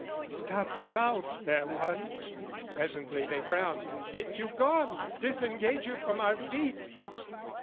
"'Stop your mouth, fair one!' presently they frowned, "'Get you gone, disengage you from our feet!'